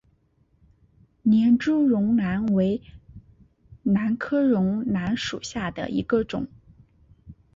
连珠绒兰为兰科绒兰属下的一个种。